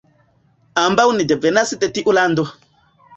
Ambaŭ ni devenas de tiu lando.